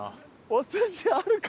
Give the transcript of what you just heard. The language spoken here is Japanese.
お寿司あるか？